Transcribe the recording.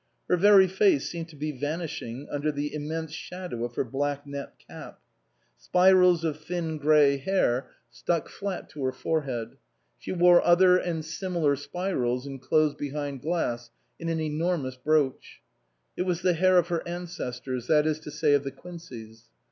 Her very face seemed to be vanishing under the immense shadow of her black net cap. Spirals of thin grey hair stuck 231 SUPERSEDED flat to her forehead ; she wore other and similar spirals enclosed behind glass in an enormous brooch ; it was the hair of her ancestors, that is to say of the Quinceys.